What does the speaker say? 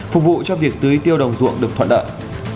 phục vụ cho việc tưới tiêu đồng ruộng được thoạt đợi